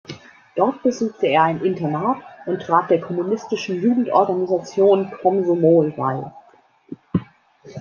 Dort besuchte er ein Internat und trat der kommunistischen Jugendorganisation Komsomol bei.